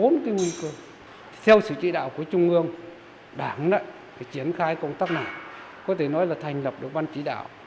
nếu đảng đã chiến khai công tác này có thể nói là thành lập được văn chỉ đạo